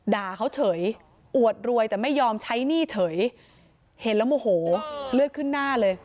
ด่าเขาเฉยอวดรวยแต่ไม่ยอมใช้หนี้เฉยเห็นแล้วโมโหเลือดขึ้นหน้าเลย